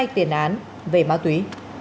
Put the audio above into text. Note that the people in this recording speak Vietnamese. tiền án về ma túy